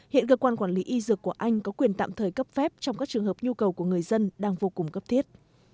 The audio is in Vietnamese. hiện cơ quan quản lý y dược của anh có quyền tạm thời cấp phép trong các trường hợp nhu cầu của người dân đang vô cùng cấp thiết